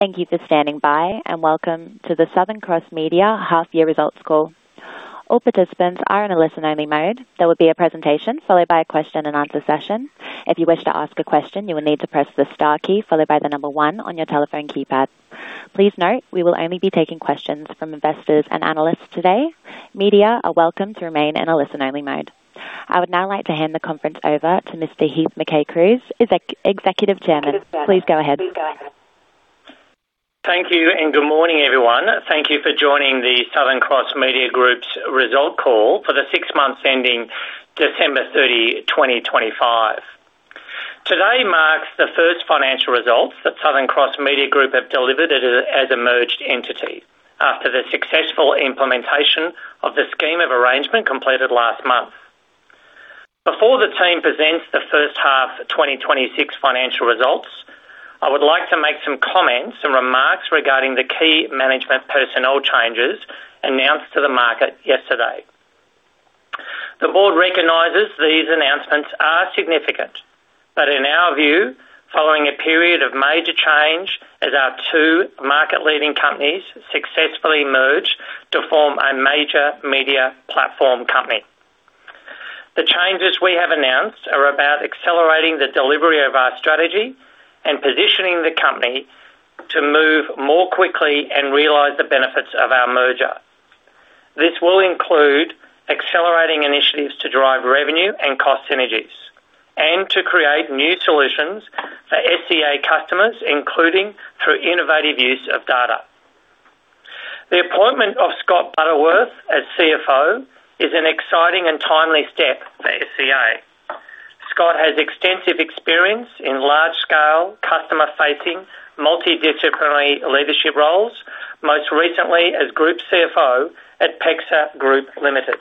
Thank you for standing by, and welcome to the Southern Cross Media half-year results call. All participants are in a listen-only mode. There will be a presentation, followed by a question-and-answer session. If you wish to ask a question, you will need to press the star key, followed by one on your telephone keypad. Please note, we will only be taking questions from investors and analysts today. Media are welcome to remain in a listen-only mode. I would now like to hand the conference over to Mr. Heith Mackay-Cruise, Executive Chairman. Please go ahead. Thank you, and good morning, everyone. Thank you for joining the Southern Cross Media Group's result call for the six months ending December 30th, 2025. Today marks the first financial results that Southern Cross Media Group have delivered as a merged entity after the successful implementation of the scheme of arrangement completed last month. Before the team presents the H1 of 2026 financial results, I would like to make some comments and remarks regarding the key management personnel changes announced to the market yesterday. The board recognizes these announcements are significant. In our view, following a period of major change as our two market-leading companies successfully merge to form a major media platform company. The changes we have announced are about accelerating the delivery of our strategy and positioning the company to move more quickly and realize the benefits of our merger. This will include accelerating initiatives to drive revenue and cost synergies, and to create new solutions for SCA customers, including through innovative use of data. The appointment of Scott Butterworth as CFO is an exciting and timely step for SCA. Scott has extensive experience in large-scale, customer-facing, multidisciplinary leadership roles, most recently as Group CFO at PEXA Group Limited.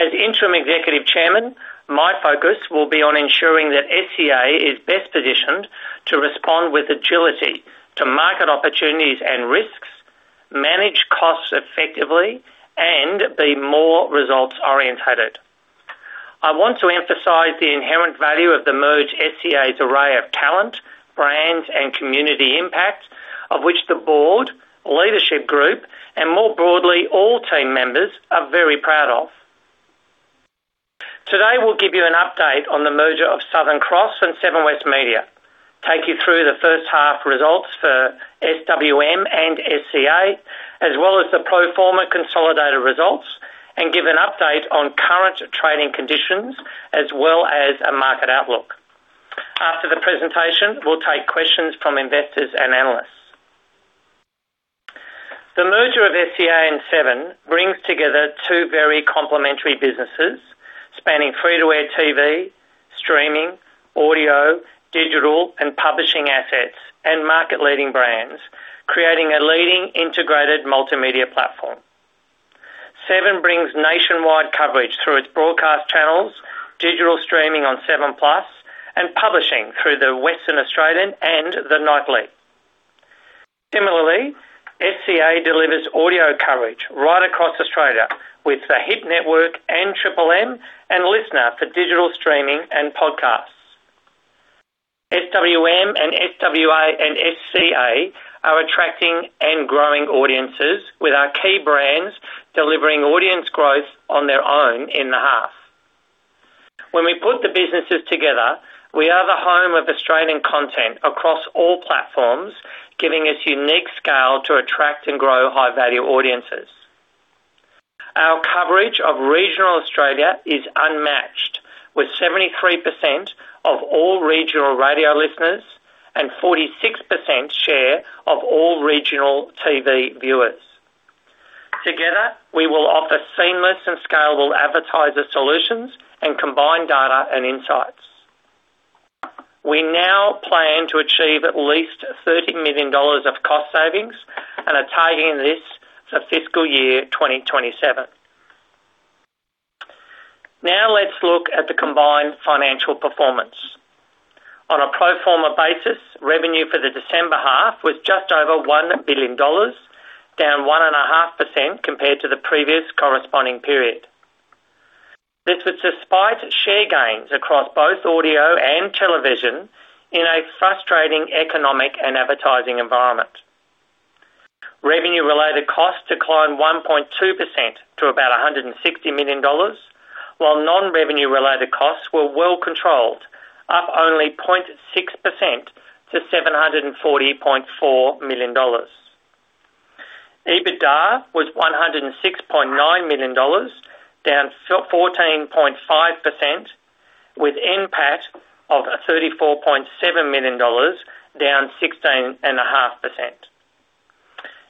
As Interim Executive Chairman, my focus will be on ensuring that SCA is best positioned to respond with agility to market opportunities and risks, manage costs effectively, and be more results-orientated. I want to emphasize the inherent value of the merged SCA's array of talent, brands, and community impact, of which the board, leadership group, and more broadly, all team members are very proud of. Today, we'll give you an update on the merger of Southern Cross and Seven West Media, take you through the H1 results for SWM and SCA, as well as the pro forma consolidated results, and give an update on current trading conditions, as well as a market outlook. After the presentation, we'll take questions from investors and analysts. The merger of SCA and Seven brings together two very complementary businesses, spanning free-to-air TV, streaming, audio, digital, and publishing assets, and market-leading brands, creating a leading integrated multimedia platform. Seven brings nationwide coverage through its broadcast channels, digital streaming on 7+, and publishing through The West Australian and The Nightly. Similarly, SCA delivers audio coverage right across Australia, with the Hit Network and Triple M, and LiSTNR for digital streaming and podcasts. SWM and SCA and SCA are attracting and growing audiences, with our key brands delivering audience growth on their own in the half. When we put the businesses together, we are the home of Australian content across all platforms, giving us unique scale to attract and grow high-value audiences. Our coverage of regional Australia is unmatched, with 73% of all regional radio listeners and 46% share of all regional TV viewers. Together, we will offer seamless and scalable advertiser solutions and combine data and insights. We plan to achieve at least 30 million dollars of cost savings and are targeting this for fiscal year 2027. Let's look at the combined financial performance. On a pro forma basis, revenue for the December half was just over 1 billion dollars, down 1.5% compared to the previous corresponding period. This was despite share gains across both audio and television in a frustrating economic and advertising environment. Revenue-related costs declined 1.2% to about 160 million dollars, while non-revenue related costs were well controlled, up only 0.6% to AUD 740.4 million. EBITDA was AUD 106.9 million, down 14.5%, with NPAT of 34.7 million dollars, down 16.5%.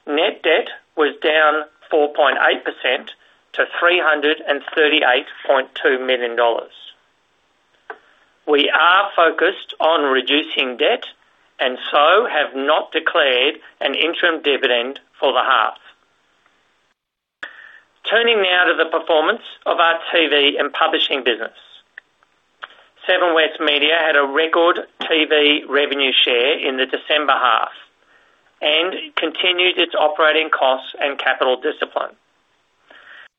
Net debt was down 4.8% to 338.2 million dollars. We are focused on reducing debt and have not declared an interim dividend for the half. Turning now to the performance of our TV and publishing business. Seven West Media had a record TV revenue share in the December half and continued its operating costs and capital discipline....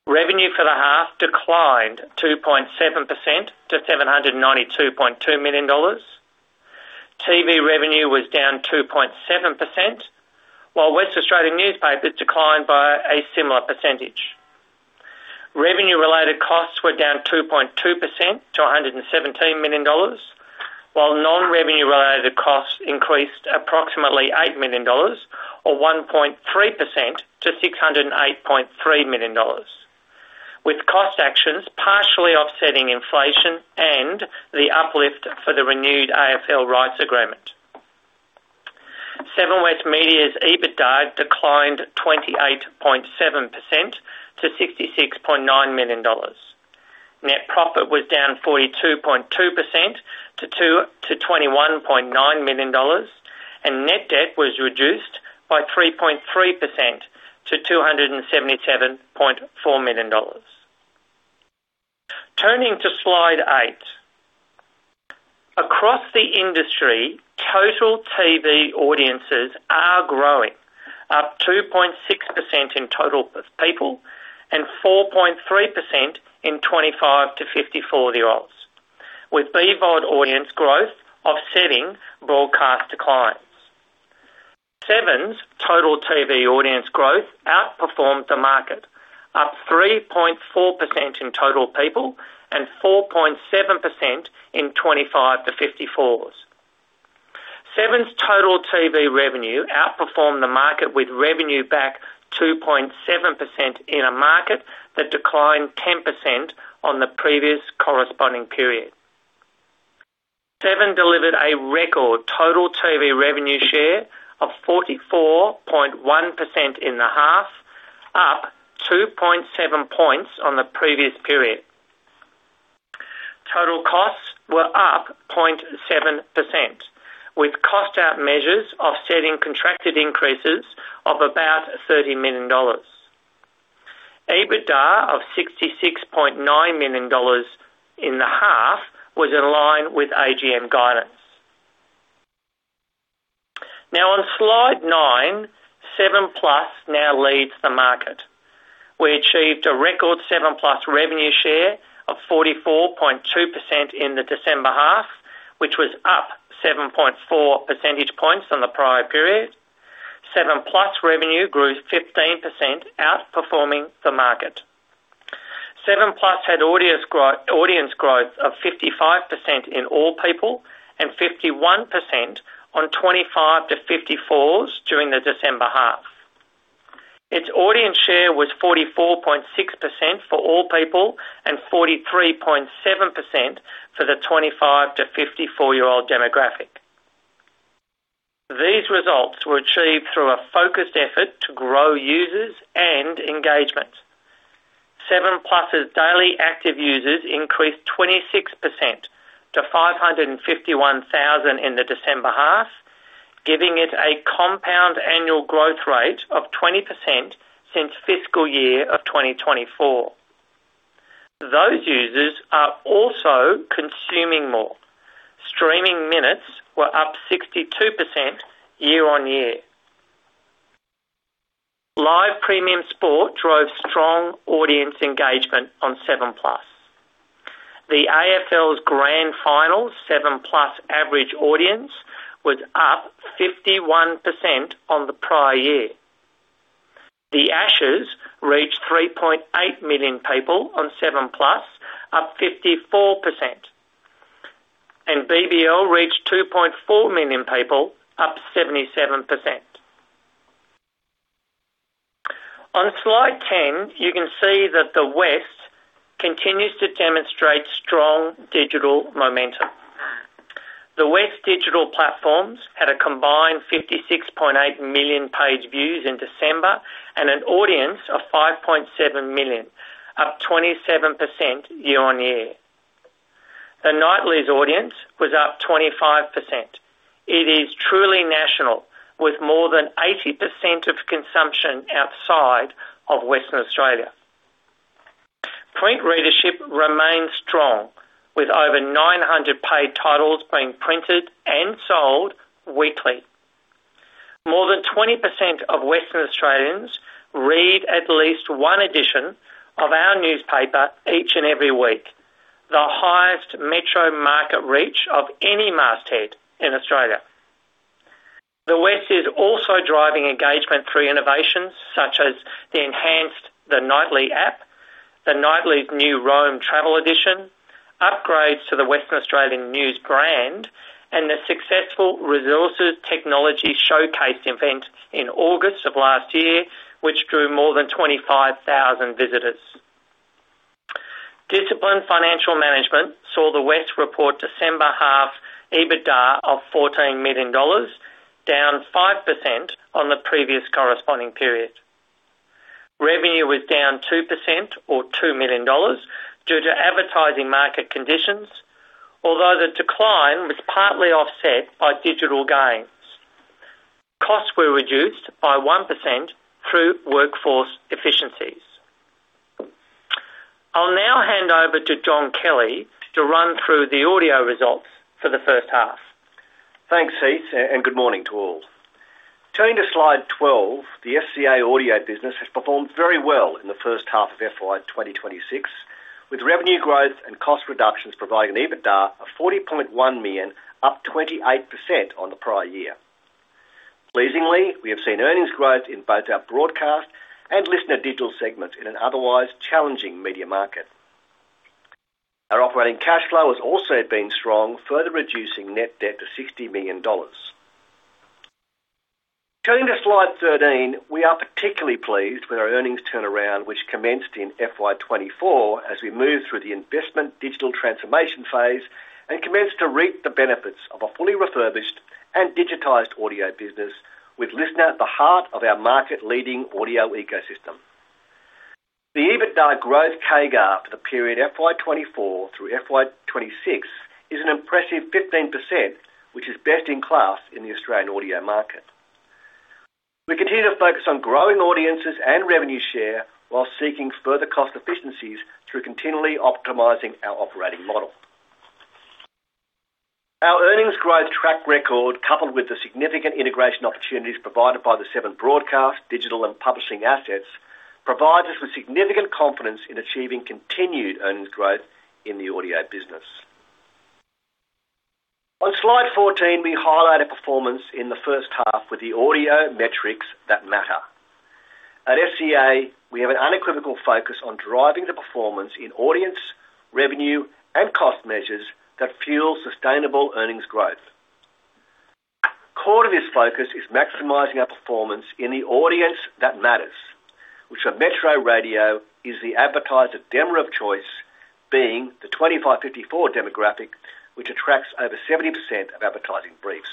Revenue for the half declined 2.7% to 792.2 million dollars. TV revenue was down 2.7%, while West Australian newspapers declined by a similar percentage. Revenue-related costs were down 2.2% to 117 million dollars, while non-revenue-related costs increased approximately 8 million dollars or 1.3% to 608.3 million dollars, with cost actions partially offsetting inflation and the uplift for the renewed AFL rights agreement. Seven West Media's EBITDA declined 28.7% to 66.9 million dollars. Net profit was down 42.2% to 21.9 million dollars, and net debt was reduced by 3.3% to 277.4 million dollars. Turning to slide eight. Across the industry, total TV audiences are growing, up 2.6% in total people and 4.3% in 25-54-year-olds, with BVOD audience growth offsetting broadcast declines. Seven's total TV audience growth outperformed the market, up 3.4% in total people and 4.7% in 25-54s. Seven's total TV revenue outperformed the market, with revenue back 2.7% in a market that declined 10% on the previous corresponding period. Seven delivered a record total TV revenue share of 44.1% in the half, up 2.7 points on the previous period. Total costs were up 0.7%, with cost out measures offsetting contracted increases of about 30 million dollars. EBITDA of 66.9 million dollars in the half was in line with AGM guidance. Now, on slide nine, 7+ now leads the market. We achieved a record 7+ revenue share of 44.2% in the December half, which was up 7.4 percentage points on the prior period. 7+ revenue grew 15%, outperforming the market. 7+ had audience growth of 55% in all people and 51% on 25s-54s during the December half. Its audience share was 44.6% for all people and 43.7% for the 25-to-54-year-old demographic. These results were achieved through a focused effort to grow users and engagement. 7+ daily active users increased 26% to 551,000 in the December half, giving it a compound annual growth rate of 20% since fiscal year of 2024. Those users are also consuming more. Streaming minutes were up 62% year-over-year. Live premium sport drove strong audience engagement on 7+. The AFL Grand Finals, 7+ average audience was up 51% on the prior year. The Ashes reached 3.8 million people on 7+, up 54%, and BBL reached 2.4 million people, up 77%. On Slide 10, you can see that The West continues to demonstrate strong digital momentum. The West digital platforms had a combined 56.8 million page views in December and an audience of 5.7 million, up 27% year-over-year. The Nightly's audience was up 25%. It is truly national, with more than 80% of consumption outside of Western Australia. Print readership remains strong, with over 900 paid titles being printed and sold weekly. More than 20% of Western Australians read at least one edition of our newspaper each and every week, the highest metro market reach of any masthead in Australia. The West is also driving engagement through innovations such as the enhanced The Nightly app, The Nightly's new Roam travel edition, upgrades to the Western Australian News brand, and the successful Resources Technology Showcase event in August of last year, which drew more than 25,000 visitors. Disciplined financial management saw The West report December half EBITDA of 14 million dollars, down 5% on the previous corresponding period. Revenue was down 2% or 2 million dollars due to advertising market conditions, although the decline was partly offset by digital gains. Costs were reduced by 1% through workforce efficiencies. I'll now hand over to John Kelly to run through the audio results for the H1. Thanks, Heith, and good morning to all. Turning to Slide 12, the SCA Audio business has performed very well in the H1 of FY 2026, with revenue growth and cost reductions providing an EBITDA of 40.1 million, up 28% on the prior year. Pleasingly, we have seen earnings growth in both our broadcast and listener digital segments in an otherwise challenging media market. Our operating cash flow has also been strong, further reducing net debt to 60 million dollars. Turning to Slide 13, we are particularly pleased with our earnings turnaround, which commenced in FY 2024 as we moved through the investment digital transformation phase and commenced to reap the benefits of a fully refurbished and digitized audio business, with LiSTNR at the heart of our market-leading audio ecosystem. The EBITDA growth CAGR for the period FY 2024 through FY 2026 is an impressive 15%, which is best in class in the Australian audio market. We continue to focus on growing audiences and revenue share, while seeking further cost efficiencies through continually optimizing our operating model. Our earnings growth track record, coupled with the significant integration opportunities provided by the seven broadcast, digital, and publishing assets, provides us with significant confidence in achieving continued earnings growth in the audio business. On Slide 14, we highlight a performance in the H1 with the audio metrics that matter. At SCA, we have an unequivocal focus on driving the performance in audience, revenue, and cost measures that fuel sustainable earnings growth. Core to this focus is maximizing our performance in the audience that matters, which for metro radio, is the advertiser demo of choice, being the 25-54 demographic, which attracts over 70% of advertising briefs.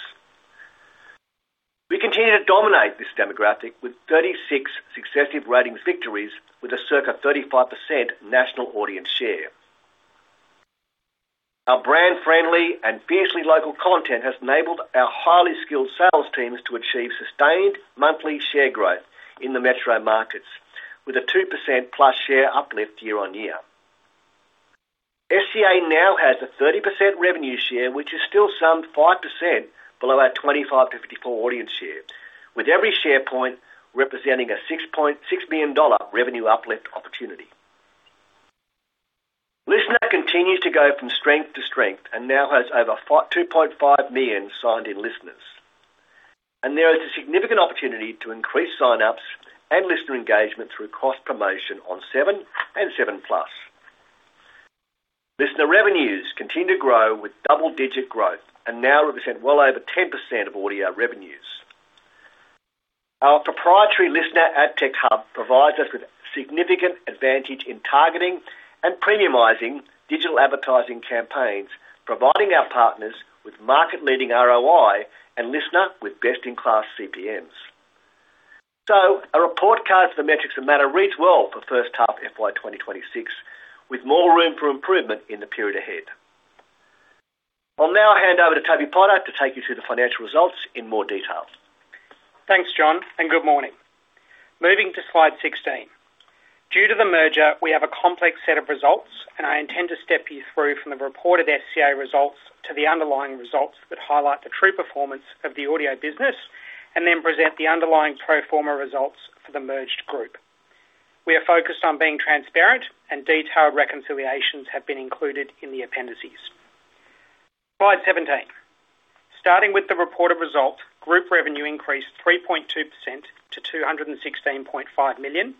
We continue to dominate this demographic with 36 successive ratings victories, with a circa 35% national audience share. Our brand-friendly and fiercely local content has enabled our highly skilled sales teams to achieve sustained monthly share growth in the metro markets, with a 2%+ share uplift year-on-year. SCA now has a 30% revenue share, which is still some 5% below our 25-54 audience share, with every share point representing a 6.6 million dollar revenue uplift opportunity. LiSTNR continues to go from strength to strength and now has over 2.5 million signed-in listeners, and there is a significant opportunity to increase sign-ups and listener engagement through cross-promotion on Seven and Seven Plus. LiSTNR revenues continue to grow with double-digit growth and now represent well over 10% of audio revenues. Our proprietary LiSTNR AdTech Hub provides us with significant advantage in targeting and premiumizing digital advertising campaigns, providing our partners with market-leading ROI and LiSTNR with best-in-class CPMs. Our report card for the metrics that matter reads well for H1 FY 2026, with more room for improvement in the period ahead. I'll now hand over to Toby Potter to take you through the financial results in more detail. Thanks, John. Good morning. Moving to Slide 16. Due to the merger, we have a complex set of results. I intend to step you through from the reported SCA results to the underlying results that highlight the true performance of the audio business, then present the underlying pro forma results for the merged group. We are focused on being transparent. Detailed reconciliations have been included in the appendices. Slide 17. Starting with the reported results, group revenue increased 3.2% to AUD 216.5 million,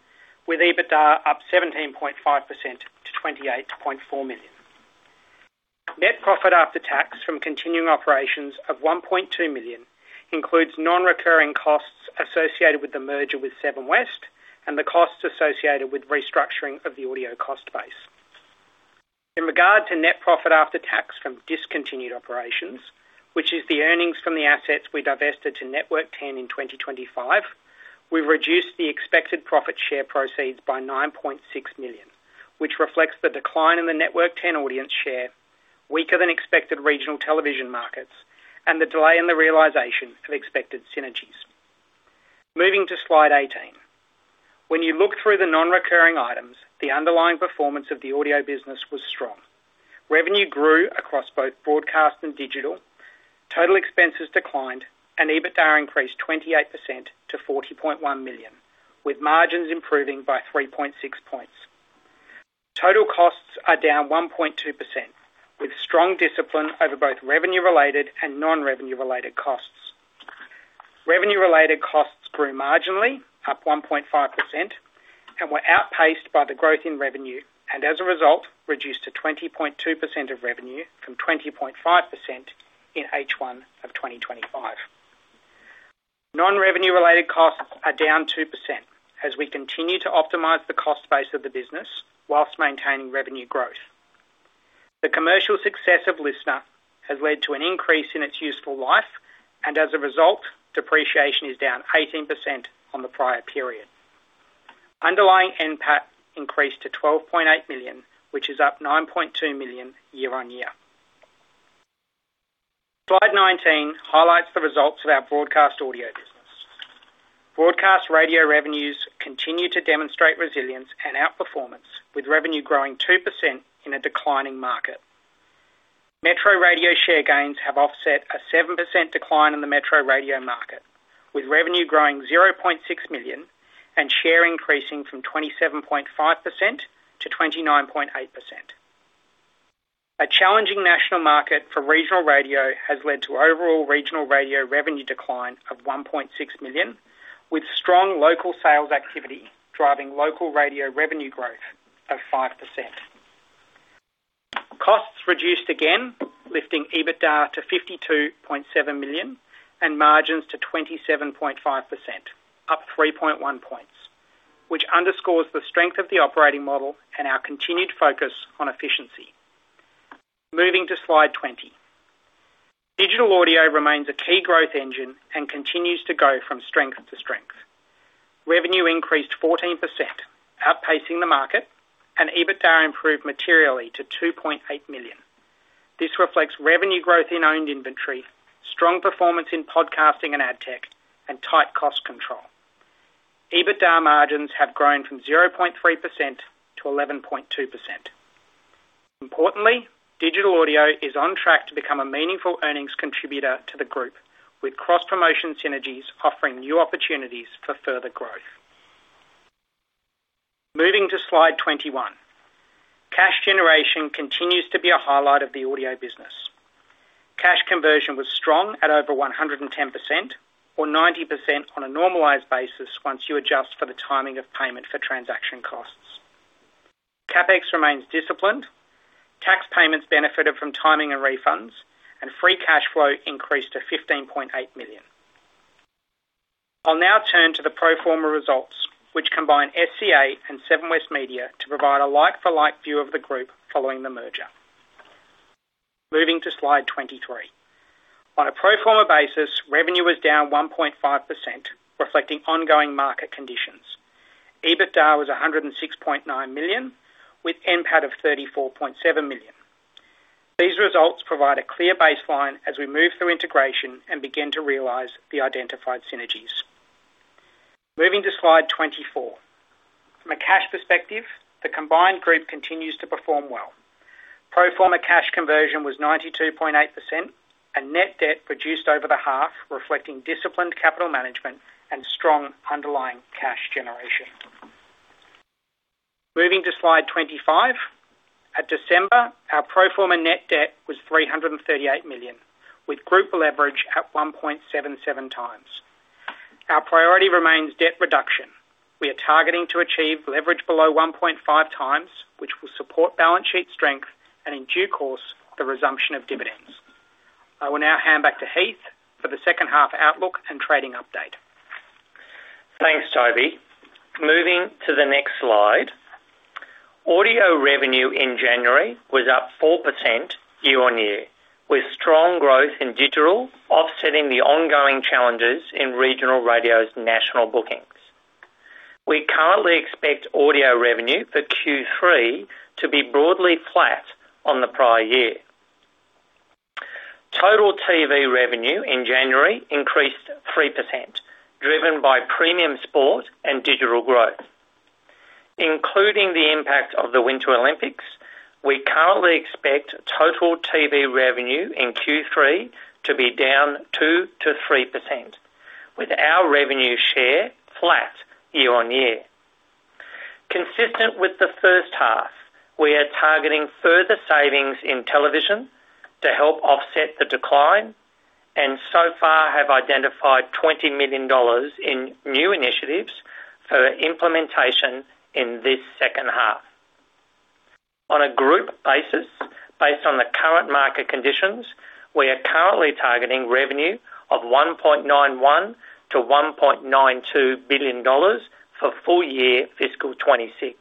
with EBITDA up 17.5% to AUD 28.4 million. Net profit after tax from continuing operations of AUD 1.2 million includes non-recurring costs associated with the merger with Seven West and the costs associated with restructuring of the audio cost base. In regard to net profit after tax from discontinued operations, which is the earnings from the assets we divested to Network 10 in 2025, we've reduced the expected profit share proceeds by 9.6 million, which reflects the decline in the Network 10 audience share, weaker than expected regional television markets, and the delay in the realization of expected synergies. Moving to Slide 18. When you look through the non-recurring items, the underlying performance of the audio business was strong. Revenue grew across both broadcast and digital, total expenses declined, and EBITDA increased 28% to 40.1 million, with margins improving by 3.6 points. Total costs are down 1.2%, with strong discipline over both revenue-related and non-revenue-related costs. Revenue-related costs grew marginally, up 1.5%, and were outpaced by the growth in revenue, and as a result, reduced to 20.2% of revenue from 20.5% in H1 of 2025. Non-revenue-related costs are down 2% as we continue to optimize the cost base of the business whilst maintaining revenue growth. The commercial success of LiSTNR has led to an increase in its useful life, and as a result, depreciation is down 18% on the prior period. Underlying NPAT increased to 12.8 million, which is up 9.2 million year-on-year. Slide 19 highlights the results of our broadcast audio business. Broadcast radio revenues continue to demonstrate resilience and outperformance, with revenue growing 2% in a declining market. Metro radio share gains have offset a 7% decline in the metro radio market, with revenue growing $0.6 million and share increasing from 27.5% to 29.8%. A challenging national market for regional radio has led to overall regional radio revenue decline of $1.6 million, with strong local sales activity driving local radio revenue growth of 5%. Costs reduced again, lifting EBITDA to $52.7 million and margins to 27.5%, up 3.1 points, which underscores the strength of the operating model and our continued focus on efficiency. Moving to Slide 20. Digital audio remains a key growth engine and continues to go from strength to strength. Revenue increased 14%, outpacing the market, and EBITDA improved materially to $2.8 million. This reflects revenue growth in owned inventory, strong performance in podcasting and ad tech, and tight cost control. EBITDA margins have grown from 0.3% to 11.2%. Importantly, digital audio is on track to become a meaningful earnings contributor to the group, with cross-promotion synergies offering new opportunities for further growth. Moving to Slide 21. Cash generation continues to be a highlight of the audio business. Cash conversion was strong at over 110% or 90% on a normalized basis once you adjust for the timing of payment for transaction costs. CapEx remains disciplined, tax payments benefited from timing and refunds, and free cash flow increased to 15.8 million. I'll now turn to the pro forma results, which combine SCA and Seven West Media to provide a like-for-like view of the group following the merger. Moving to Slide 23. On a pro forma basis, revenue was down 1.5%, reflecting ongoing market conditions. EBITDA was 106.9 million, with NPAT of 34.7 million. These results provide a clear baseline as we move through integration and begin to realize the identified synergies. Moving to Slide 24. From a cash perspective, the combined group continues to perform well. Pro forma cash conversion was 92.8%. Net debt reduced over the half, reflecting disciplined capital management and strong underlying cash generation. Moving to Slide 25. At December, our pro forma net debt was 338 million, with group leverage at 1.77x. Our priority remains debt reduction. We are targeting to achieve leverage below 1.5x, which will support balance sheet strength and, in due course, the resumption of dividends. I will now hand back to Heith for the H2 outlook and trading update. Thanks, Toby. Moving to the next slide. Audio revenue in January was up 4% year-on-year, with strong growth in digital offsetting the ongoing challenges in regional radio's national bookings. We currently expect audio revenue for Q3 to be broadly flat on the prior year. Total TV revenue in January increased 3%, driven by premium sport and digital growth. Including the impact of the Winter Olympics, we currently expect total TV revenue in Q3 to be down 2%-3%, with our revenue share flat year-on-year. Consistent with the H1, we are targeting further savings in television to help offset the decline, and so far have identified 20 million dollars in new initiatives for implementation in this H2. On a group basis, based on the current market conditions, we are currently targeting revenue of 1.91 billion-1.92 billion dollars for full year fiscal 2026.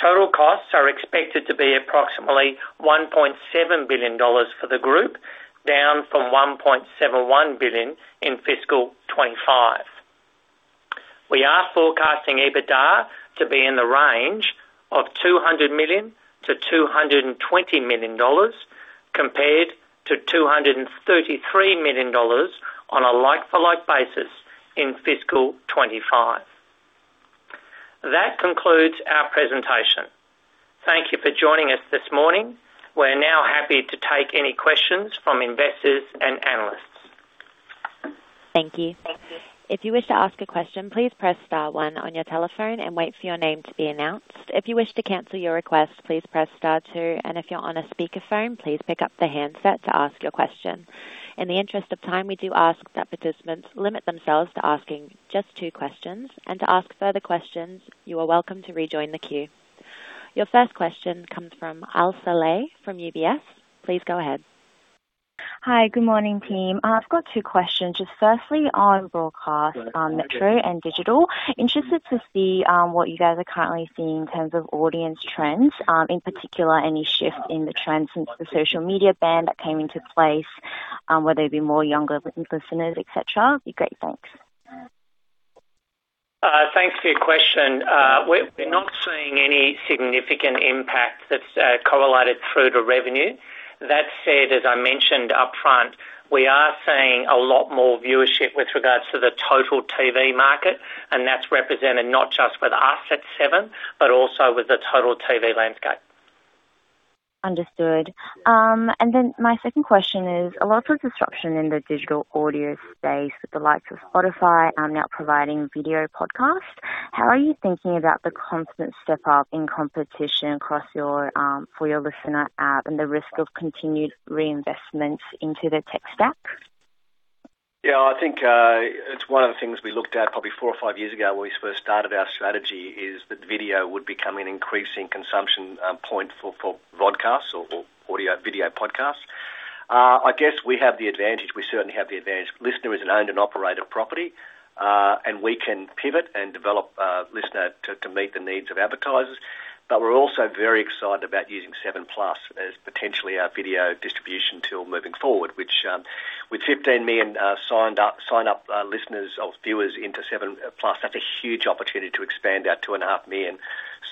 Total costs are expected to be approximately 1.7 billion dollars for the group, down from 1.71 billion in fiscal 2025. We are forecasting EBITDA to be in the range of AUD 200 million-AUD 220 million, compared to AUD 233 million on a like-for-like basis in fiscal 2025. That concludes our presentation. Thank you for joining us this morning. We're now happy to take any questions from investors and analysts. Thank you. If you wish to ask a question, please press star one on your telephone and wait for your name to be announced. If you wish to cancel your request, please press star two, and if you're on a speakerphone, please pick up the handset to ask your question. In the interest of time, we do ask that participants limit themselves to asking just two questions, and to ask further questions, you are welcome to rejoin the queue. Your first question comes from Elsa Lei from UBS. Please go ahead. Hi. Good morning, team. I've got two questions. Just firstly, on broadcast, on metro and digital, interested to see what you guys are currently seeing in terms of audience trends, in particular, any shift in the trend since the social media ban that came into place, whether it be more younger listeners, et cetera? It'd be great. Thanks. Thanks for your question. We're not seeing any significant impact that's correlated through to revenue. That said, as I mentioned up front, we are seeing a lot more viewership with regards to the total TV market, and that's represented not just with us at Seven, but also with the total TV landscape. Understood. Then my second question is, a lot of disruption in the digital audio space with the likes of Spotify are now providing video podcasts. How are you thinking about the constant step up in competition across your for your LiSTNR app and the risk of continued reinvestments into the tech stack? I think it's one of the things we looked at probably four or five years ago when we first started our strategy, is that video would become an increasing consumption point for, for broadcasts or, or audio- video podcasts. I guess we have the advantage, we certainly have the advantage. LiSTNR is an owned and operated property, and we can pivot and develop LiSTNR to, to meet the needs of advertisers. We're also very excited about using 7+ as potentially our video distribution tool moving forward, which, with 15 million signed up, signed-up, listeners or viewers into 7+ that's a huge opportunity to expand our 2.5 million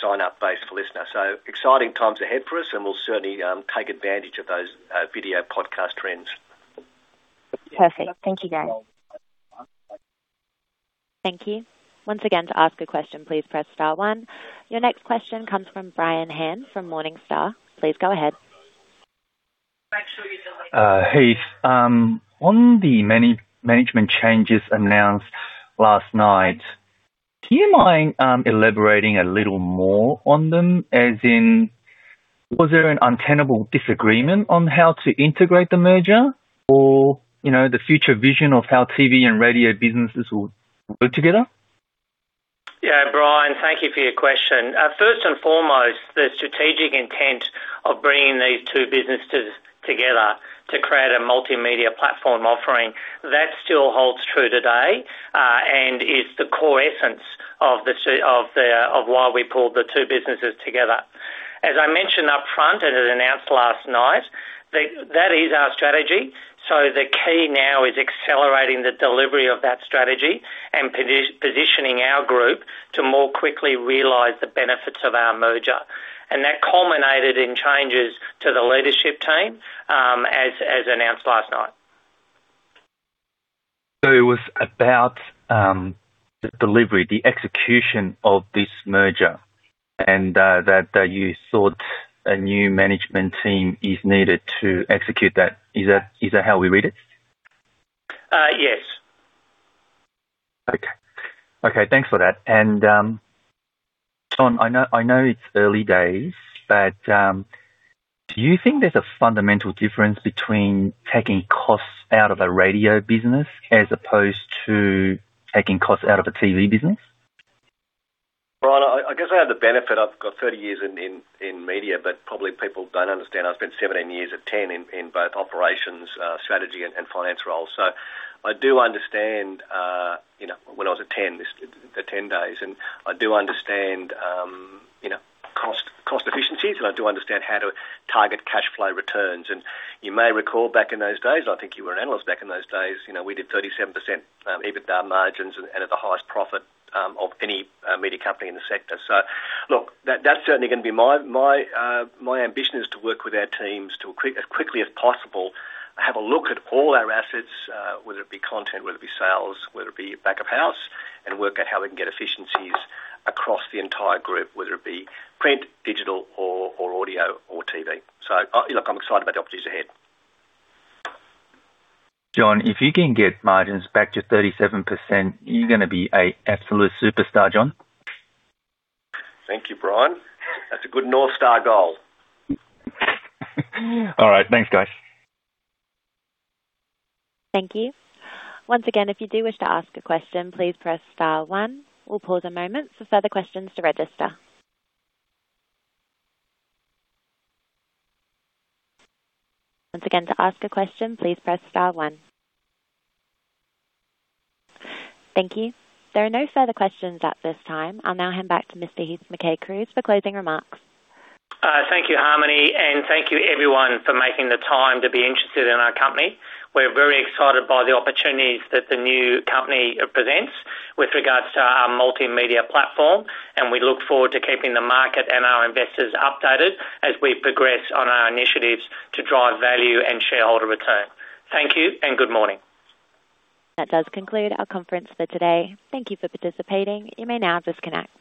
sign-up base for LiSTNR. Exciting times ahead for us, and we'll certainly take advantage of those video podcast trends. Perfect. Thank you, guys. Thank you. Once again, to ask a question, please press star one. Your next question comes from Brian Han from Morningstar. Please go ahead. Heith, on the management changes announced last night, do you mind elaborating a little more on them? As in, was there an untenable disagreement on how to integrate the merger or, you know, the future vision of how TV and radio businesses will work together? Yeah, Brian, thank you for your question. First and foremost, the strategic intent of bringing these two businesses together to create a multimedia platform offering, that still holds true today, and is the core essence of why we pulled the two businesses together. As I mentioned up front, and it announced last night, that, that is our strategy. The key now is accelerating the delivery of that strategy and positioning our group to more quickly realize the benefits of our merger. That culminated in changes to the leadership team, as announced last night. It was about, the delivery, the execution of this merger, and, that, that you thought a new management team is needed to execute that. Is that, is that how we read it? Yes. Okay. Okay, thanks for that. John, I know, I know it's early days, but do you think there's a fundamental difference between taking costs out of a radio business as opposed to taking costs out of a TV business? Brian, I, I guess I have the benefit. I've got 30 years in media, but probably people don't understand I've spent 17 years of Ten in, in both operations, strategy and finance roles. I do understand, you know, when I was at Ten, the Ten days, and I do understand, you know, cost, cost efficiencies, and I do understand how to target cash flow returns. You may recall back in those days, I think you were an analyst back in those days, you know, we did 37% EBITDA margins and at the highest profit of any media company in the sector. Look, that's certainly going to be my ambition is to work with our teams to as quickly as possible, have a look at all our assets, whether it be content, whether it be sales, whether it be back of house, and work out how we can get efficiencies across the entire group, whether it be print, digital or, or audio or TV. Look, I'm excited about the opportunities ahead. John, if you can get margins back to 37%, you're gonna be a absolute superstar, John. Thank you, Brian. That's a good North Star goal. All right. Thanks, guys. Thank you. Once again, if you do wish to ask a question, please press star one. We'll pause a moment for further questions to register. Once again, to ask a question, please press star one. Thank you. There are no further questions at this time. I'll now hand back to Mr. Heith Mackay-Cruise for closing remarks. Thank you, Harmony, and thank you everyone for making the time to be interested in our company. We're very excited by the opportunities that the new company presents with regards to our multimedia platform, and we look forward to keeping the market and our investors updated as we progress on our initiatives to drive value and shareholder return. Thank you and good morning. That does conclude our conference for today. Thank you for participating. You may now disconnect.